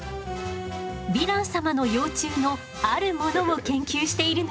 ヴィラン様の幼虫のあるものを研究しているの。